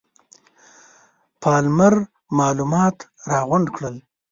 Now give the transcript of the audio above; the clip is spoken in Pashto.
پالمر معلومات راغونډ کړل.